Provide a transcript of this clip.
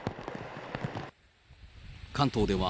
関東では、